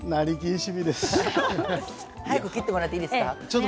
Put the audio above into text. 早く切ってもらっていいですか。